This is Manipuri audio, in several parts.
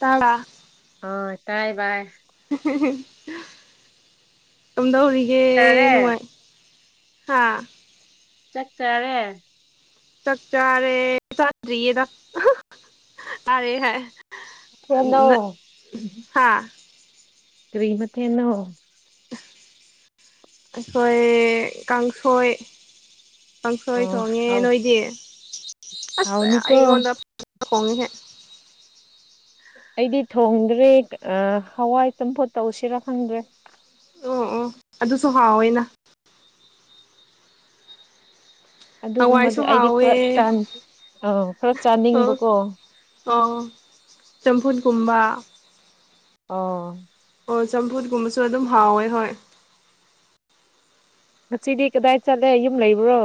ꯇꯥꯕ꯭ꯔ ꯍꯣꯏ ꯇꯥꯏ ꯕꯥꯥꯏ ꯑꯝꯗꯥ ꯍꯧꯔꯤꯒꯦ ꯆꯥꯔꯦ ꯅꯥꯏ ꯍꯥꯥ ꯆꯠ ꯇꯔꯦ ꯆꯆꯥꯔꯦ ꯆꯗꯔꯤꯌꯦꯗ ꯑꯔ ꯍꯥꯏ ꯊꯦꯡꯅꯣ ꯍꯥꯥ ꯀ꯭ꯔꯤꯝꯊꯟꯅꯣ ꯑꯩꯈꯣꯏ ꯀꯥꯡꯁꯣꯏ ꯄꯪꯈꯣꯏ ꯑꯣ ꯈꯣꯡꯉꯦ ꯍꯥꯎ ꯅꯣꯏꯗꯤ ꯑꯁ ꯑꯩ ꯍꯥꯎꯅꯤꯀꯣ ꯑꯩꯉꯣꯟꯗ ꯈꯣꯡꯉꯦꯍꯦ ꯑꯩꯗꯤ ꯊꯣꯡꯗ꯭ꯔꯦ ꯍꯋꯥꯏ ꯆꯝꯐꯨꯠ ꯇꯧꯁꯤꯔꯥ ꯈꯪꯗ꯭ꯔꯦ ꯑꯣ ꯑꯣ ꯑꯗꯨꯁꯨ ꯍꯥꯎꯋꯦꯅ ꯍꯋꯥꯏꯁꯨ ꯑꯗꯨꯒꯨꯝꯕꯗ ꯑꯩꯗꯤ ꯍꯥꯎꯋꯦ ꯈꯔ ꯆ ꯑ ꯈꯔ ꯑꯣ ꯆꯥꯅꯤꯡꯕꯀꯣ ꯑꯣ ꯇꯝꯐꯨꯠꯀꯨꯝꯕ ꯑꯣ- - - ꯑꯣ ꯆꯝꯐꯨꯠ ꯀꯨꯝꯕꯁꯨ ꯑꯗꯨꯝ ꯍꯥꯎꯋꯦ ꯍꯣꯏ꯫ ꯉꯁꯤꯗꯤ ꯀꯗꯥꯏ ꯆꯠꯂꯦ ꯌꯨꯝ ꯂꯩꯕ꯭ꯔꯣ꯫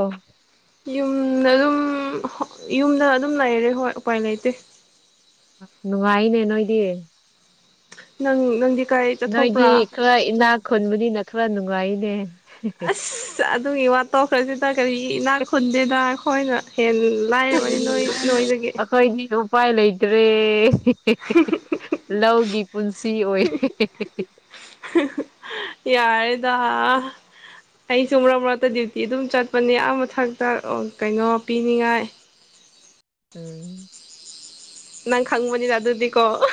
ꯌꯨꯝꯗ ꯑꯗꯨꯝ ꯌꯨꯝꯗ ꯑꯗꯨꯝ ꯂꯩꯔꯦ ꯍꯣꯏ ꯎꯄꯥꯏ ꯂꯩꯇꯦ꯫ ꯅꯨꯡꯉꯥꯏꯅꯦ ꯅꯣꯏꯗꯤ꯫ ꯅꯪ ꯅꯪꯗꯤ- - - ꯅꯣꯏꯗꯤ ꯈꯔ ꯏꯅꯥꯛ ꯈꯨꯟꯕꯅꯤꯅ ꯈꯔ ꯅꯨꯡꯉꯥꯏꯅꯦ꯫ ꯑꯁ ꯑꯗꯨꯒꯤ ꯋꯥꯇꯣꯛꯈ꯭ꯔꯁꯤꯗ ꯀꯔꯤ ꯏꯅꯥꯛ ꯈꯨꯟꯗꯦꯗ ꯑꯩꯈꯣꯏꯅ ꯍꯦꯟ- - - ꯑꯩꯈꯣꯏꯗꯤ ꯎꯄꯥꯏ ꯂꯩꯇ꯭ꯔꯦ꯫ ꯂꯧꯒꯤ ꯄꯨꯟꯁꯤ ꯑꯣꯏꯔꯦ꯫ ꯌꯥꯔꯗ꯫ ꯑꯩꯁꯨ ꯃꯔꯛ ꯃꯔꯛꯇ ꯗ꯭ꯌꯨꯇꯤ ꯑꯗꯨꯝ ꯆꯠꯄꯅꯦ ꯑꯥ ꯃꯊꯛꯇ ꯀꯩꯅꯣ ꯄꯤꯅꯤꯡꯉꯥꯏ꯫ ꯎꯝ꯫ ꯅꯪ ꯈꯪꯕꯅꯤꯅ ꯑꯗꯨꯗꯤꯀꯣ- - -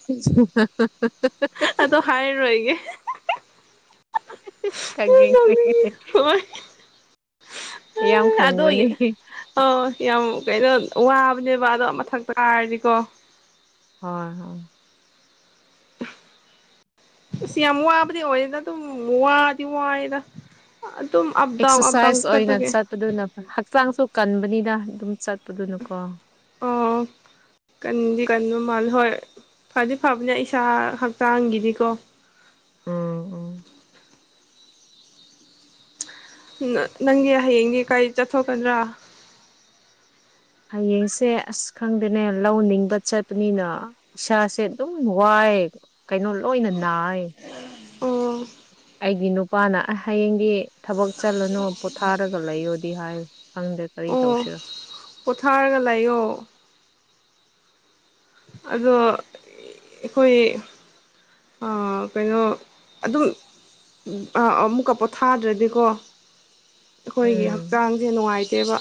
[unintelligible] ꯑꯗꯣ ꯍꯥꯏꯔꯣꯒꯤ- - - ꯈꯪꯉꯦ ꯈꯪꯉꯦ- - - [unintelligible] ꯍꫭꯏ- - - ꯌꯥꯝ ꯈꯪꯕꯅꯦ꯫ ꯑ ꯌꯥꯝ ꯀꯩꯅꯣ ꯋꯥꯕꯅꯦꯕ ꯑꯗꯣ ꯃꯊꯛ ꯀꯔꯥꯗꯤꯀꯣ꯫ ꯍꯣꯏ ꯍꯣꯏ꯫ ꯁꯤ ꯌꯥꯝꯃ ꯋꯥꯕꯗꯤ ꯑꯣꯏꯗ ꯇꯨ ꯋꯥꯗꯤ ꯋꯥꯗ- - - ꯑꯗꯨꯝ ꯑꯞ-ꯗꯥꯎ ꯑꯞ-ꯗꯥꯎ ꯆꯠꯄꯒꯤ꯫ ꯑꯗꯨꯅ ꯍꯛꯆꯥꯡꯁꯨ ꯀꯟꯕꯅꯤꯅ ꯑꯗꯨꯝ ꯆꯠꯄꯗꯨꯅꯀꯣ꯫ ꯑꫭ- - - ꯀꯟꯗꯤ ꯀꯟꯕ ꯃꯥꯜꯂꯦ ꯍꯣꯏ ꯐꯗꯤ ꯐꯕꯅꯦ ꯏꯁꯥ ꯍꯛꯆꯥꯡꯒꯤꯅꯤꯀꯣ꯫ ꯎꯝ ꯎꯝ ꯅꯪꯒꯤ ꯍꯌꯦꯡꯒꯤ ꯀꯥꯏ ꯆꯠꯊꯣꯛꯀꯗ꯭ꯔꯥ꯫ ꯍꯌꯦꯡꯁꯦ ꯑꯁ ꯈꯪꯗꯦꯅꯦ ꯂꯧ ꯅꯤꯡꯕ ꯆꯠꯄꯅꯤꯅ‌꯫ ꯏꯁꯥꯁꯦ ꯑꯗꯨꯝ ꯋꯥꯏ ꯀꯩꯅꯣ ꯂꯣꯏꯅ ꯅꯥꯏ꯫ ꯑꯣ ꯑꯩꯒꯤ ꯅꯨꯄꯥꯅ ꯍꯌꯦꯡꯒꯤ ꯊꯕꯛ ꯆꯠꯂꯅꯨ ꯄꯣꯊꯥꯔꯒ ꯂꯩꯌꯣꯗꯤ ꯍꯥꯏ꯫ ꯈꯪꯗ꯭ꯔꯦ ꯀꯔꯤ ꯑꯣ ꯇꯧꯁꯤꯔꯣ- - - ꯄꯣꯊꯥꯔꯒ ꯂꯥꯛꯌꯑꯣ꯫ ꯑꯗꯣ ꯑꯩꯈꯣꯏ- - - ꯑꯥ ꯀꯩꯅꯣ ꯑꯗꯨꯝ- - - ꯑꯥ ꯑꯃꯨꯛꯀ ꯄꯣꯠꯊꯥꯗ꯭ꯔꯗꯤꯀꯣ- - - ꯑꯩꯈꯣꯏꯒꯤ ꯎꯝ ꯍꯛꯆꯥꯡꯁꯦ ꯅꯨꯡꯉꯥꯏꯇꯦꯕ꯫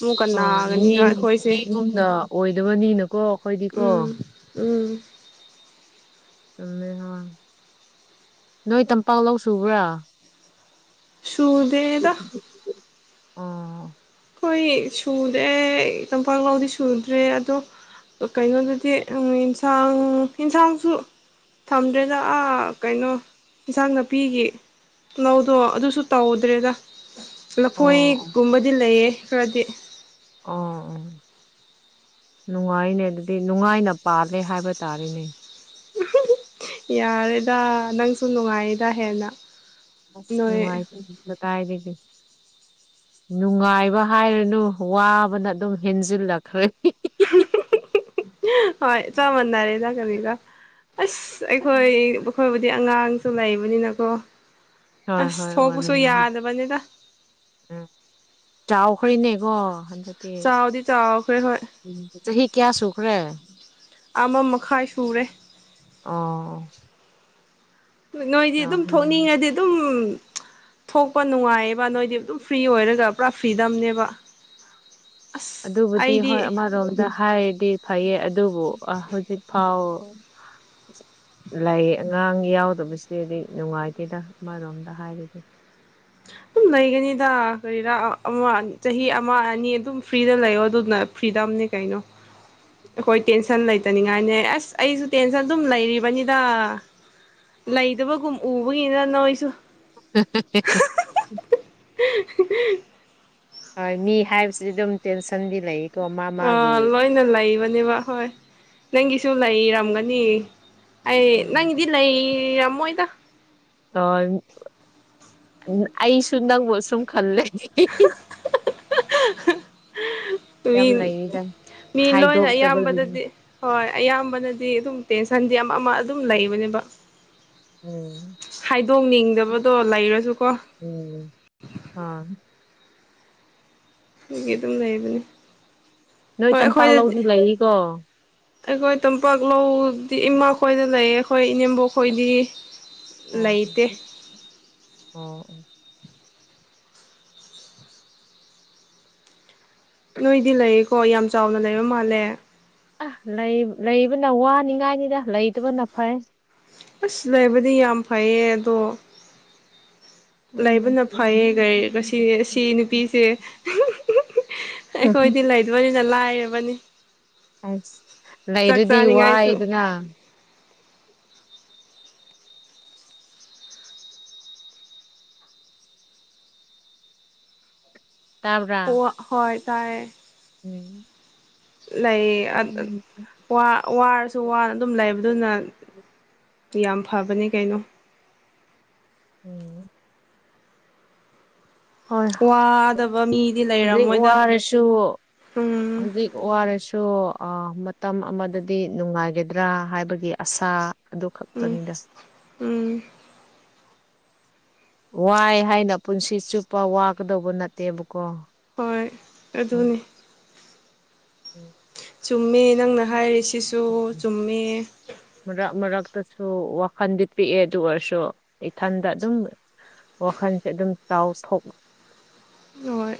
ꯑꯃꯨꯛꯀ ꯑꯣ ꯃꯤ ꯅꯥꯒꯅꯤꯒ ꯑꯩꯈꯣꯏꯁꯦ ꯃꯤꯒꯨꯝꯅ ꯑꯣꯏꯗꯕꯅꯤꯅꯀꯣ ꯑꯩꯈꯣꯏꯗꯤꯀꯣ- ꯎꯝ - - ꯎꯝ꯫ ꯆꯨꯝꯃꯦ ꯍꯣꯏ ꯅꯣꯏ ꯇꯝꯄꯥꯛ ꯂꯧ ꯁꯨꯕ꯭ꯔꯥ- - - ꯁꯨꯗꯦꯗ ꯑꯥ- - - ꯑꯩꯈꯣꯏ ꯁꯨꯗ꯭ꯔꯦ ꯇꯝꯄꯥꯛ ꯂꯥꯎꯗꯤ ꯁꯨꯗ꯭ꯔꯦ ꯑꯗꯣ- - - ꯑ ꯀꯩꯅꯣꯗꯗꯤ ꯑꯦꯟꯁꯥꯡ ꯑꯦꯟꯁꯥꯡꯁꯨ- - - ꯊꯝꯗ꯭ꯔꯦꯗꯥ ꯀꯩꯅꯣ ꯏꯟꯁꯥꯡ ꯅꯥꯄꯤꯒꯤ- - - ꯂꯧꯗꫭ ꯑꯗꯨꯁꯨ ꯇꯧꯗ꯭ꯔꯦꯗ ꯑꯣ ꯂꯐꯣꯏꯒꯨꯝꯕꯗꯤ ꯂꯩꯌꯦ ꯈꯔꯗꯤ꯫ ꯑꫭ- - - [unintelligible] ꯅꯨꯡꯉꯥꯏꯅꯦ ꯑꯗꯨꯗꯤ ꯅꯨꯡꯉꯥꯏꯅ ꯄꯥꯜꯂꯦ ꯍꯥꯏꯕ ꯇꯥꯔꯦꯅꯦ꯫ ꯌꯥꯔꯦꯗ ꯅꯪꯁꯨ ꯅꯨꯡꯉꯥꯏꯌꯦꯗ ꯍꯦꯟꯅ- - - ꯑꯨꯝ ꯅꯨꯡꯥꯏꯇꯦ ꯀꯗꯥꯏꯗꯒ- - - ꯅꯨꯡꯉꯥꯏꯕ ꯍꯥꯏꯔꯅꯨ ꯋꯥꯕꯅ ꯑꯗꯨꯝ ꯍꯦꯟꯖꯤꯜꯂꯛꯈ꯭ꯔꯦ꯫ ꯍꯣꯏ ꯆꯥꯞꯃꯅꯔꯦ꯫ ꯅꯤꯒ ꯑꯁ ꯑꯩꯈꯣꯏ ꯑꯩꯣꯏꯕꯨꯗꯤ ꯑꯉꯥꯡ ꯁꯨ ꯂꯩꯕꯅꯤꯅꯀꯣ ꯍꯣꯏ ꯑꯁ ꯍꯣꯏ ꯊꯣꯛꯄꯁꯨ ꯋꯥꯔꯝꯒꯅꯤ ꯌꯥꯗꯕꯅꯤꯗ ꯎꯝ ꯆꯥꯎꯈꯦꯅꯦꯀꯣ ꯍꯟꯗꯛꯇꯤ ꯆꯥꯎꯗꯤ ꯆꯥꯎꯈ꯭ꯔꯦ ꯍꯣꯏ ꯎ ꯆꯍꯤꯍꯤ ꯀꯌꯥ ꯁꯨꯈ꯭ꯔꯦ ꯑꯃ ꯃꯈꯥꯏ ꯁꯨꯔꯦ ꯑꯣ ꯅꯣꯏꯗꯤ ꯑꯗꯨꯝ ꯊꯣꯛꯅꯤꯡꯉꯗꯤ ꯏ ꯑꯗꯨꯝ ꯊꯣꯛꯄ ꯅꯨꯡꯉꯥꯏꯌꯦꯕ ꯅꯣꯏꯗꯤ ꯑꯗꯨꯝ ꯐ꯭ꯔꯤ ꯑꯣꯏꯔꯒ ꯄꯨꯔꯥ ꯐ꯭ꯔꯤꯗꯝꯅꯦꯕ ꯑꯁ ꯑꯗꯨꯕꯨꯗꯤ ꯍꯣꯏ ꯑꯩꯗꯤ ꯑꯃꯔꯣꯝꯗ ꯍꯥꯏꯔꯗꯤ ꯐꯩꯌꯦ ꯑꯗꯨꯕꯨ ꯍꯧꯖꯤꯛ ꯐꯥꯎ ꯂꯩ ꯑꯉꯥꯡ ꯌꯥꯎꯗꯕꯁꯤꯗꯤꯗꯤ ꯅꯨꯡꯉꯥꯏꯇꯦꯗ ꯑꯃꯔꯣꯝꯗ ꯍꯥꯏꯔꯤꯒꯦ ꯑꯗꯨꯝ ꯂꯩꯒꯅꯤꯗ ꯀꯔꯤꯔꯥ ꯑꯃ ꯆꯍꯤ ꯑꯃ ꯑꯅꯤ ꯑꯗꯨꯝ ꯐ꯭ꯔꯤꯗ ꯂꯩꯌꯣ ꯑꯗꯨꯅ ꯐ꯭ꯔꯤꯗꯝꯅꯤ ꯀꯩꯅꯣ ꯑꯩꯈꯣꯏ ꯇꯦꯟꯁꯟ ꯂꯩꯇꯅꯤꯡꯉꯥꯏꯅꯦ ꯑꯁ ꯑꯩꯁꯨ ꯇꯦꯟꯁꯟ ꯑꯗꯨꯝ ꯂꯩꯔꯤꯕꯅꯤꯗ ꯂꯩꯗꯕꯒꯨꯝ ꯎꯕꯒꯤꯅ ꯅꯣꯏꯁꯨ ꯎꯝ ꯂ ꯍꯣꯏ ꯃꯤ ꯍꯥꯏꯕꯁꯤꯗꯤ ꯑꯗꯨꯝ ꯇꯦꯟꯁꯟꯗꯤ ꯂꯩꯀꯣ ꯃꯥ ꯃꯥꯒꯤ ꯑꯥ ꯂꯣꯏꯅ ꯂꯩꯕꯅꯦꯕ ꯍꯣꯏ ꯅꯪꯒꯤꯁꯨ ꯂꯩꯔꯝꯒꯅꯤ ꯑꯩ ꯎꯝ ꯅꯪꯒꯤꯗꯤ ꯅ ꯔꯃꯣꯣꯏꯗ ꯍ ꯑꯩꯁꯨ ꯅꯪꯕꯨ ꯁꯨꯝ ꯈꯜꯂꯦ ꯃꯤ ꯌꯥꯝ ꯂꯩꯔꯤꯗ ꯃꯤ ꯂꯣꯏꯅ ꯍꯥꯏꯗꯣꯛꯇꯕꯒꯤꯅꯤ ꯑꯌꯥꯝꯕꯗꯗꯤ ꯍꯣꯏ ꯑꯌꯥꯝꯕꯅꯗꯤ ꯑꯗꯨꯝ ꯇꯦꯟꯁꯟꯗꯤ ꯑꯃ ꯑꯃ ꯑꯗꯨꯝ ꯂꯩꯕꯅꯦꯕ ꯎꯝ ꯍꯥꯏꯗꯣꯛꯅꯤꯡꯗꯕꯗꯣ ꯂꯩꯔꯁꯨꯀꯣ ꯎꯝ ꯍꯥꯥ ꯒꯤ ꯑꯗꯨꯝ ꯂꯩꯕꯅꯤ ꯅꯣꯏ ꯇꯝꯄꯥꯛ ꯂꯧꯗꯤ ꯂꯩꯔꯤꯀꯣ ꯑꯩꯈꯣꯏ ꯇꯝꯄꯥꯛ ꯂꯧꯗꯤ ꯏꯃꯥ ꯈꯣꯏꯗ ꯂꯩ ꯑꯩꯈꯣꯏ ꯏꯅꯦꯝꯕꯣꯛ ꯈꯣꯏꯗꯤ ꯑꯣ ꯑꯣ ꯑꯣ ꯑꯣ ꯅꯣꯏꯗꯤ ꯂꯩꯌꯦꯀꯣ ꯌꯥꯝ ꯆꯥꯎꯅ ꯂꯩꯕ ꯃꯥꯜꯂꯦ ꯑ ꯂꯩ ꯂꯩꯕꯅ ꯋꯥꯅꯤꯡꯉꯥꯏꯅꯤꯗ ꯂꯩꯇꯕꯅ ꯐꯩ ꯑꯁ ꯁꯤ ꯂꯩ ꯍꯥꯏꯕꯗꯤ ꯌꯥꯝ ꯐꯩꯌꯦ ꯑꯗꯣ ꯎꯝ ꯂꯩꯕꯅ ꯐꯩꯌꯦ ꯁꯤ ꯅꯨꯄꯤꯁꯦ ꯑꯩꯈꯣꯏꯗꯤ ꯂꯩꯗꯣꯏꯅꯤꯅ ꯂꯥꯏꯔꯕꯅꯤ ꯑꯁ ꯆꯥꯛ ꯂꯩꯔꯗꯤ ꯆꯥꯅꯤꯡꯉꯥꯏꯁꯨ ꯋꯥꯏꯗꯅ ꯇꯥꯕ꯭ꯔꯥ ꯎ ꯍꯣꯏ ꯇꯥꯏ ꯎꯝ ꯂꯩ ꯋꯥꯔꯁꯨ ꯋꯥꯅ ꯑꯗꯨꯝ ꯂꯩꯕꯗꯨꯅ ꯌꯥꯝ ꯐꯕꯅꯦ ꯀꯩꯅꯣ ꯎꯝ ꯍꯣꯏ ꯋꯥꯗꯕ ꯃꯤꯗꯤ ꯍꯨꯖꯤꯛ ꯂꯩꯔꯝꯃꯣꯏꯗ ꯋꯥꯔꯁꯨ ꯎꯝ ꯍꯨꯖꯤꯛ ꯋꯥꯔꯁꯨ ꯑ ꯃꯇꯝ ꯑꯃꯗꯗꯤ ꯅꯨꯡꯉꯥꯏꯒꯗ꯭ꯔꯥ ꯍꯥꯏꯕꯒꯤ ꯑꯁꯥ ꯑꯗꯨ ꯎꯝ ꯈꯛꯇꯅꯤꯗ ꯎꯝ ꯋꯥꯏ ꯍꯥꯏꯅ ꯄꯨꯟꯁꯤ ꯆꯨꯞꯄ ꯋꯥꯒꯗꯧꯕ ꯅꯠꯇꯦꯕꯀꯣ ꯍꯣꯏ ꯑꯗꯨꯅꯤ ꯎꯝ ꯆꯨꯝꯃꯦ ꯅꯪꯅ ꯍꯥꯏꯔꯤꯁꯤꯁꯨ ꯆꯨꯝꯃꯦ ꯃꯔꯛ ꯃꯔꯛꯇꯁꯨ ꯋꯥꯈꯟꯗꯤ ꯄꯤꯛꯑꯦ ꯑꯗꯨ ꯑꯣꯏꯔꯁꯨ ꯏꯊꯟꯗ ꯑꯗꯨꯝ ꯋꯥꯈꯟꯁꯦ ꯑꯗꯨꯝ ꯆꯥꯎꯊꯣꯛ ꯍꯣꯏ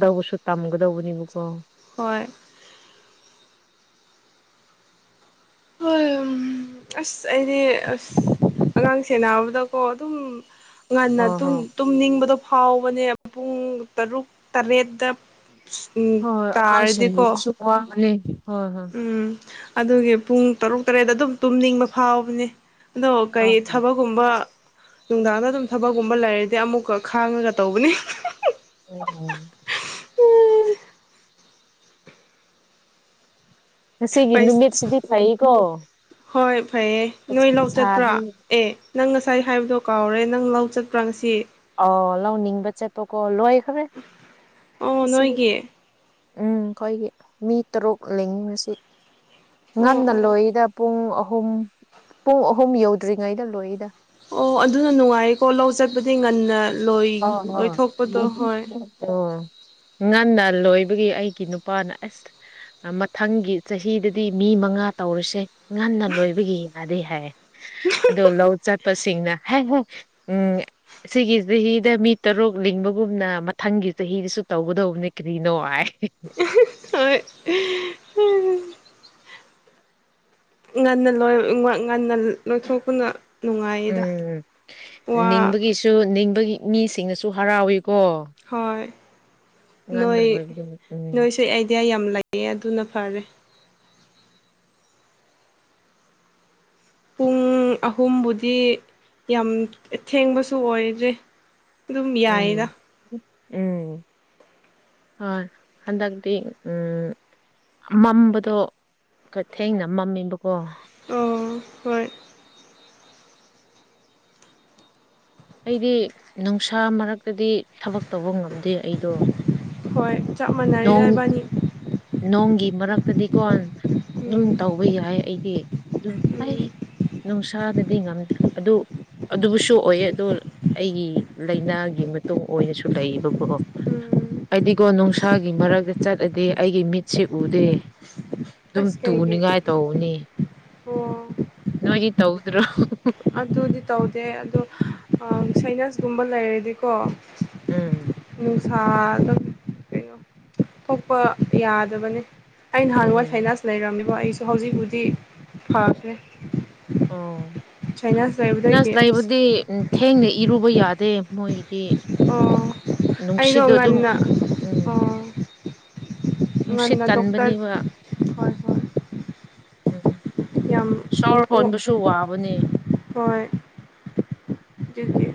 ꯗꯧꯁꯨ ꯇꯝꯒꯗꯧꯕꯅꯦꯕꯀꯣ ꯍꯣꯏ ꯍꯝ ꯑꯁ ꯑꯩꯗꯤ ꯑꯁ ꯑꯉꯥꯡ ꯁꯦꯟꯅꯕꯗꯀꯣ ꯑꯗꯨꯝ ꯉꯟꯅ ꯍꯣꯏ ꯇꯨꯝ ꯍꯣꯏ ꯇꯨꯝꯅꯤꯡꯕꯗꯣ ꯐꯥꯎꯕꯅꯦ ꯄꯨꯡ ꯇꯔꯨꯛ ꯇꯔꯦꯠꯇ ꯎꯝ ꯇꯥꯔꯗꯤꯀꯣ ꯋꯥꯈꯔꯦ ꯍꯣꯏ ꯍꯣꯏ ꯎꯝ ꯑꯗꯨꯒꯤ ꯄꯨꯡ ꯇꯔꯨꯛ ꯇꯔꯦꯠꯇ ꯑꯗꯨꯝ ꯇꯨꯝꯅꯤꯡꯕ ꯐꯥꯎꯕꯅꯦ ꯑꯗꯣ ꯀꯩ ꯊꯕꯛꯒꯨꯝꯕ ꯅꯨꯡꯗꯥꯡꯗ ꯑꯗꯨꯝ ꯊꯕꯛꯀꯨꯝꯕ ꯂꯩꯔꯗꯤ ꯑꯃꯨꯛꯀ ꯈꯥꯡꯉꯒ ꯇꯧꯕꯅꯤ ꯎꯝ ꯎꯝ ꯉꯁꯤꯒꯤ ꯄꯩꯁ ꯅꯨꯃꯤꯠꯁꯤꯗꯤ ꯐꯩꯀꯣ ꯍꯣꯏ ꯐꯩꯌꯦ ꯅꯣꯏ ꯂꯧ ꯆꯠꯄ꯭ꯔꯥ ꯁꯥꯗꯤ ꯑꯦ ꯅꯪ ꯉꯁꯥꯏ ꯍꯥꯏꯕꯗꯣ ꯀꯥꯎꯔꯦ ꯅꯪ ꯂꯧ ꯆꯠꯄ꯭ꯔꯥ ꯉꯁꯤ ꯑꯎ ꯂꯧ ꯂꯤꯡꯕ ꯆꯠꯄꯀꯣ ꯂꯣꯏꯈꯔꯦ ꯑꯣ ꯉꯁꯤꯗꯤ ꯅꯣꯏꯒꯤ ꯎꯝ ꯈꯣꯏꯒꯤ ꯃꯤ ꯇꯔꯨꯛ ꯂꯤꯡꯉꯦ ꯉꯁꯤ ꯑꯣ ꯉꯟꯅ ꯑꯣ ꯂꯣꯏꯌꯦꯗ ꯄꯨꯡ ꯑꯍꯨꯝ ꯄꯨꯡ ꯑꯍꯨꯝ ꯌꯧꯗ꯭ꯔꯤꯉꯩꯗ ꯂꯣꯏꯌꯦꯗ ꯑꯣ ꯑꯗꯨꯅ ꯅꯨꯡꯉꯥꯏꯀꯣ ꯂꯧ ꯆꯠꯄꯗꯤ ꯉꯟꯅ ꯂꯣꯏ ꯂꯣꯏꯊꯣꯛꯄꯗꯣ ꯍꯣꯍꯣ ꯍꯣꯏ ꯉꯟꯅ ꯂꯣꯏꯕꯒꯤ ꯑꯩꯒꯤ ꯅꯨꯄꯥꯅ ꯑꯁ ꯑ ꯃꯊꯪꯒꯤ ꯆꯍꯤꯗꯗꯤ ꯃꯤ ꯃꯉꯥ ꯇꯧꯔꯁꯦ ꯉꯟꯅ ꯂꯣꯏꯕꯒꯤ ꯌꯥꯗꯦ ꯍꯥꯏꯔꯦ ꯑꯗꯣ ꯂꯧ ꯆꯠꯄꯁꯤꯡꯅ ꯍꯦꯍꯦ ꯎꯝ ꯁꯤꯒꯤ ꯆꯍꯤꯗ ꯃꯤ ꯇꯔꯨꯛ ꯂꯤꯡꯕꯒꯨꯝꯅ ꯃꯊꯪꯒꯤ ꯆꯍꯤꯗꯁꯨ ꯇꯧꯒꯗꯧꯕꯅꯦ ꯀꯔꯤꯅꯣ ꯍꯥꯏ ꯍꯣꯏ ꯉꯟꯅ ꯂꯣꯟ ꯎꯝ ꯉꯟ ꯉꯟꯅ ꯂꯣꯏꯊꯣꯛꯇꯨꯅ ꯎꯝ ꯅꯤꯡꯕꯒꯤꯁꯨ ꯅꯤꯡꯕꯒꯤ ꯃꯤꯁꯤꯡꯅꯁꯨ ꯍꯔꯥꯎꯋꯦꯀꯣ ꯍꯣꯏ ꯅꯣꯏ ꯂꯣꯏꯕꯗꯨ ꯎꯝ ꯅꯣꯏꯁꯨ ꯑꯥꯏꯗꯤꯌꯥ ꯌꯥꯝ ꯂꯩꯌꯦ ꯑꯗꯨꯅ ꯐꯔꯦ ꯄꯨꯡ ꯑꯍꯨꯝꯕꯨꯗꯤ ꯌꯥꯝ ꯊꯦꯡꯕꯁꯨ ꯑꯣꯏꯗ꯭ꯔꯦ ꯑꯗꯨꯝ ꯌꯥꯏꯌꯦꯗ ꯎꯝ ꯎꯝ ꯍꯣꯏ ꯍꯟꯗꯛꯇꯤ ꯎꯝ ꯃꯝꯕꯗꯣ ꯈ ꯊꯦꯡꯅ ꯃꯝꯃꯦꯕꯀꯣ ꯑꯣ ꯍꯣꯏ ꯑꯩꯗꯤ ꯅꯨꯡꯁꯥ ꯃꯔꯛꯇꯗꯤ ꯊꯕꯛ ꯇꯧꯕ ꯉꯝꯗꯦ ꯑꯩꯗꯣ ꯍꯣꯏ ꯆꯞ ꯅꯣꯡ ꯃꯥꯟꯅꯔꯦꯗ ꯏꯕꯥꯅꯤ ꯅꯣꯡꯒꯤ ꯃꯔꯛꯇꯗꯤꯀꯣꯟ ꯗꯨꯝ ꯎꯝ ꯇꯧꯕ ꯌꯥꯏ ꯑꯩꯗꯤ ꯑꯗꯨꯝ ꯑꯩ ꯎꯝ ꯅꯨꯡꯁꯥꯗꯗꯤ ꯉꯝꯗ꯭ꯔꯦ ꯑꯗꯨ ꯑꯗꯨꯕꯨꯁꯨ ꯑꯣꯏꯌꯦ ꯑꯗꯣ ꯑꯩꯒꯤ ꯂꯩꯅꯥꯒꯤ ꯃꯇꯨꯡ ꯑꯣꯏꯅꯁꯨ ꯂꯩꯌꯦꯕꯀꯣ ꯎꯝ ꯑꯩꯗꯤꯀꯣ ꯅꯨꯡ ꯁꯥꯒꯤ ꯃꯔꯛꯇ ꯆꯠꯂꯗꯤ ꯑꯩꯒꯤ ꯃꯤꯠꯁꯦ ꯎꯗꯦ ꯑꯗꯨꯝ ꯑꯁ ꯀꯩꯒꯤ ꯇꯨꯅꯤꯡꯉꯥꯏ ꯇꯧꯅꯤ ꯑꯣ ꯅꯣꯏꯗꯤ ꯇꯧꯗ꯭ꯔꯣ ꯑꯗꯨꯗꯤ ꯇꯧꯗꯦ ꯑꯗꯣ ꯁꯥꯏꯅꯁꯒꯨꯝꯕ ꯂꯩꯔꯗꯤꯀꯣ ꯎꯝ ꯎꯝ ꯁꯥ ꯑꯗꯨꯝ ꯀꯩꯅꯣ ꯊꯣꯛꯄ ꯌꯥꯗꯕꯅꯤ ꯑꯩ ꯅꯍꯥꯟꯋꯥ ꯎꯝ ꯁꯥꯏꯅꯥꯁ ꯂꯩꯔꯝꯃꯤꯀꯣ ꯑꯩꯁꯨ ꯍꯧꯖꯤꯛꯕꯨꯗꯤ ꯐꯈ꯭ꯔꯦ ꯑꯣ ꯁꯥꯏꯅꯥꯁ ꯁꯥꯏꯅꯁ ꯂꯩꯕꯗꯒꯤ ꯑꯩꯁ ꯂꯩꯕꯨꯗꯤ ꯊꯦꯡꯅ ꯏꯔꯨꯕ ꯌꯥꯗꯦ ꯃꯣꯏꯒꯤꯗꯤ ꯑꯣ ꯑꯩꯗꯣ ꯅꯨꯡꯁꯤꯠꯗꯣ ꯑꯗꯨꯝ ꯉꯟꯅ ꯎꯝ ꯑꯣ ꯅꯨꯡꯁꯤꯠ ꯉꯟꯅ ꯗꯣꯛꯇꯔ ꯀꯟꯕꯅꯦꯕ ꯍꯣꯏ ꯍꯣꯏ ꯎꯝ ꯌꯥꯝ ꯁꯣꯔ ꯑꯣ ꯍꯣꯟꯕꯁꯨ ꯋꯥꯕꯅꯦ ꯍꯣꯏ ꯑꯗꯨꯗꯤ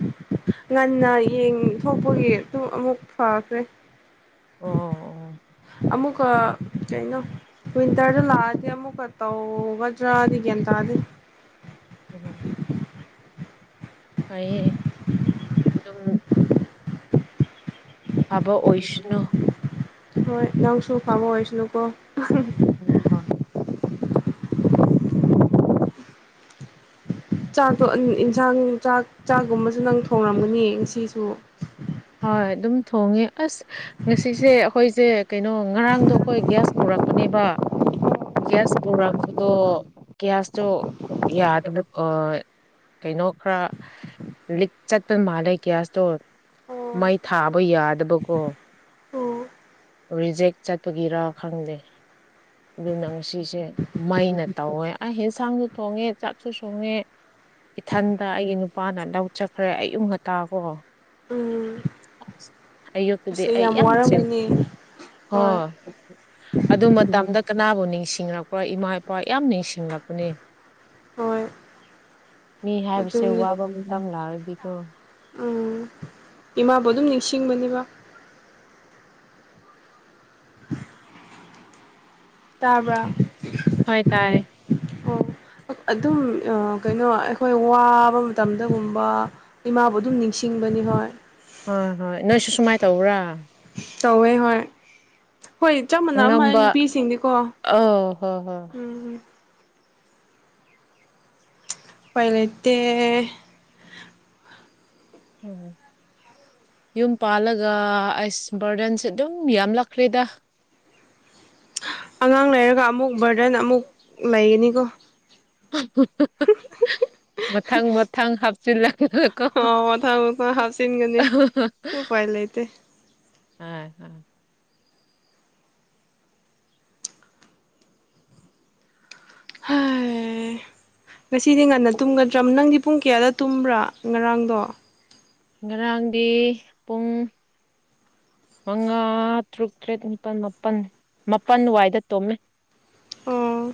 ꯉꯟꯅ ꯌꯦꯡꯊꯄꯒꯤ ꯑꯇꯨ ꯑꯃꯨꯛ ꯐꯈ꯭ꯔꯦ ꯑꯣ ꯑꯣ ꯑꯃꯨꯀꯥ ꯀꯩꯅꯣ ꯋꯦꯟꯇꯔꯗ ꯂꯥꯛꯑꯗꯤ ꯑꯃꯨꯛꯀꯥ ꯇꯧꯒꯗꯔꯥꯗꯤ ꯒ꯭ꯌꯥꯟ ꯇꯥꯗꯦ [unintelligible] [unintelligible] ꯐꯕ ꯑꯣꯏꯁꯅꯨ ꯍꯣꯏ ꯅꯪꯁꯨ ꯐꯕ ꯑꯣꯏꯁꯅꯨꯀꯣ [unintelligible] ꯆꯥꯛꯗꯣ ꯏꯟꯁꯥꯡ ꯆꯥꯛ ꯆꯥꯒꯨꯝꯕꯁꯨ ꯅꯪ ꯊꯣꯡꯉꯝꯒꯅꯤ ꯉꯁꯤꯁꯨ ꯍꯣꯏ ꯑꯗꯨꯝ ꯊꯣꯡꯉꯦ ꯑꯁ ꯉꯁꯤꯁꯦ ꯑꯩꯈꯣꯏꯁꯦ ꯀꯩꯅꯣ ꯉꯔꯥꯡꯗꯣ ꯑꯩꯈꯣꯏ ꯒ꯭ꯌꯥꯁ ꯄꯨꯔꯛ ꯄꯅꯦꯕꯥ ꯒ꯭ꯌꯥꯁ ꯄ꯭ꯨꯔꯛꯄꯗꯣ ꯒꯌꯥꯁꯇꯣ ꯌꯥꯗꯕ ꯑꯥ ꯀꯩꯅꯣ ꯈꯔ ꯂꯤꯛ ꯆꯠꯄ ꯃꯥꯜꯂꯦ ꯒ꯭ꯌꯥꯁꯇꯣ ꯃꯩ ꯊꯥꯕ ꯌꯥꯗꯕꯀꯣ ꯎꯝ ꯔꯤꯖꯦꯛ ꯆꯠꯄꯒꯤꯔꯥ ꯈꯪꯗꯦ ꯑꯗꯨꯅꯪ ꯁꯤꯁꯦ ꯃꯩꯅ ꯇꯧꯋꯦ ꯑꯩ ꯌꯦꯟꯁꯥꯡꯁꯨ ꯊꯣꯡꯉꯦ ꯆꯥꯛꯁꯨ ꯁꯣꯡꯉꯦ ꯏꯊꯟꯗ ꯑꯩꯒꯤ ꯅꯨꯄꯥꯅ ꯂꯧ ꯆꯠꯈ꯭ꯔꯦ ꯑꯌꯨꯛ ꯉꯟꯇꯥ ꯀꯣ ꯎꯝ ꯑꯌꯨꯛꯇꯗꯤ ꯑꯁ ꯑꯩ ꯌꯥꯝ ꯋꯥꯔꯝꯒꯅꯤ ꯆꯤꯟꯕꯅꯦ ꯍꯣꯏ ꯑꯗꯨ ꯃꯇꯝꯗ ꯀꯅꯥꯕꯨ ꯅꯤꯡꯁꯤꯡꯂꯛꯄꯔꯥ ꯏꯃꯥ ꯏꯄꯥ ꯌꯥꯝ ꯅꯤꯡꯁꯤꯡꯂꯛꯄꯅꯦ ꯍꯣꯏ ꯃꯤ ꯍꯥꯏꯕꯁꯦ ꯑꯗꯨꯅꯤ ꯋꯥꯕ ꯃꯇꯝ ꯂꯥꯛꯔꯗꯤꯀꯣ ꯎꯝ ꯏꯃꯥꯕꯨ ꯑꯗꯨꯝ ꯅꯤꯡꯁꯤꯡꯕꯅꯦꯕ ꯇꯥꯕ꯭ꯔꯥ ꯍꯣꯏ ꯇꯥꯏ ꯑꯣ ꯑꯗꯨꯝ ꯀꯩꯅꯣ ꯑꯩꯈꯣꯏ ꯋꯥꯕ ꯃꯇꯝꯗꯒꯨꯝꯕ ꯏꯃꯥꯕꯨ ꯑꯗꯨꯝ ꯅꯤꯡꯁꯤꯡꯕꯅꯤ ꯍꯣꯏ ꯍꯣꯏ ꯍꯣꯏ ꯅꯣꯏꯁꯨ ꯁꯨꯃꯥꯏꯟ ꯇꯧꯕ꯭ꯔꯥ ꯇꯧꯋꯦ ꯍꯣꯏ ꯈꯣꯏ ꯆꯞ ꯃꯥꯟꯅꯕ ꯃꯥꯜꯂꯦ ꯑꯉꯝꯕ ꯅꯨꯄꯤꯁꯤꯡꯗꯤꯀꯣ ꯑꯧ ꯍꯣꯏ ꯍꯣꯏ ꯎꯝ ꯎꯄꯥꯏ ꯂꯩꯇꯦ ꯎꯝ ꯌꯨꯝ ꯄꯥꯜꯂꯒ ꯑꯁ ꯕꯔꯗꯟꯁꯦ ꯑꯗꯨꯝ ꯌꯥꯝꯂꯛꯈ꯭ꯔꯦꯗ ꯑꯉꯥꯡ ꯂꯩꯔꯒꯥ ꯑꯃꯨꯛ ꯕꯔꯗꯟ ꯑꯃꯨꯛ ꯂꯩꯒꯅꯤꯀꯣ [unintelligible] ꯃꯊꯪ ꯊꯪ ꯍꯥꯞꯆꯤꯜꯂꯒꯀꯣ ꯑꯣ ꯃꯊꯪ ꯃꯊꯪ ꯍꯥꯞꯆꯤꯟꯒꯅꯤ ꯎꯄꯥꯏ ꯂꯩꯇꯦ [unintelligible] ꯍꯥꯏ ꯉꯁꯤꯗꯤ ꯉꯟꯅ ꯇꯨꯝꯒꯗ꯭ꯔꯥ ꯅꯪꯗꯤ ꯄꯨꯡ ꯀꯌꯥꯗ ꯇꯨꯝꯕ꯭ꯔꯥ ꯉꯔꯥꯡꯗꯣ ꯉꯔꯥꯡꯗꯤ ꯄꯨꯡ ꯃꯉꯥ ꯇꯔꯨꯛ ꯇꯔꯦꯠ ꯅꯤꯄꯥꯟ ꯃꯥꯄꯟ ꯃꯥꯄꯟ ꯋꯥꯏꯗ ꯇꯨꯝꯃꯦ ꯑꯣ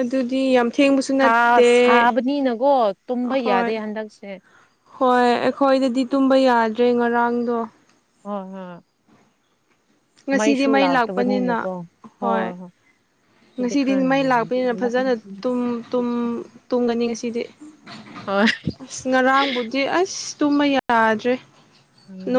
ꯑꯗꯨꯗꯤ ꯌꯥꯝ ꯊꯦꯡꯕꯁꯨ ꯁꯥ ꯅꯠꯇꯦ ꯁꯕꯅꯤꯅꯀꯣ ꯇꯨꯝꯕ ꯑꯍꯣꯏ ꯌꯥꯗꯦ ꯍꯟꯗꯛꯁꯦ ꯍꯣꯏ ꯑꯩꯈꯣꯏꯗꯗꯤ ꯇꯨꯝꯕ ꯌꯥꯗ꯭ꯔꯦ ꯉꯔꯥꯡꯗꯣ [unintelligible] ꯉꯁꯤꯗꯤ ꯃꯩ ꯂꯥꯛꯄꯅꯤꯅ ꯍꯣꯏ ꯁꯤꯗꯤ ꯉꯁꯤꯗꯤ ꯈꯔ ꯃꯩ ꯅꯨꯡꯉꯥꯏ ꯂꯥꯛꯄꯅꯤꯅ ꯐꯖꯅ ꯇꯨꯝ ꯇꯝ ꯇꯨꯝꯒꯅꯤ ꯉꯁꯤꯗꯤ ꯍꯣꯏ ꯑꯁ ꯉꯔꯥꯡꯕꯨꯗꯤ ꯑꯁ ꯇꯨꯝꯕ ꯌꯥꯗ꯭ꯔꯦ ꯎꯝ